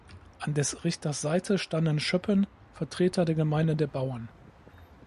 An des Richters Seite standen Schöppen, Vertreter der Gemeinde der Bauern.